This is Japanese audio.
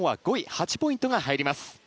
８ポイントが入ります。